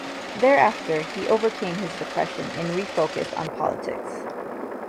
Thereafter, he overcame his depression and refocused on politics.